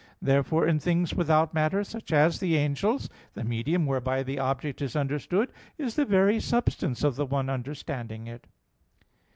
Therefore in things without matter, such as the angels, the medium whereby the object is understood is the very substance of the one understanding it.